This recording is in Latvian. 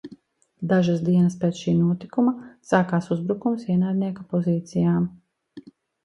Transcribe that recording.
Dažas dienas pēc šī notikuma sākās uzbrukums ienaidnieka pozīcijām.